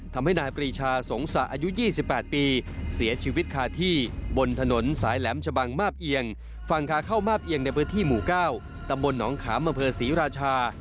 ทำให้นายปรีชาสงสะอายุ๒๘ปีเสียชีวิตคาที่บนถนนสายแหลมชะบังมาบเอียงฝั่งขาเข้ามาบเอียงในพื้นที่หมู่๙ตำบลหนองขามอำเภอศรีราชา